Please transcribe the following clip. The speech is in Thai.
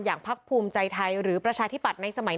ทางคุณชัยธวัดก็บอกว่าการยื่นเรื่องแก้ไขมาตรวจสองเจน